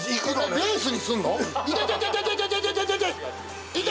レースにすんの？